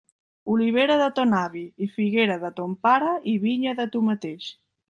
Olivera de ton avi, i figuera de ton pare, i vinya de tu mateix.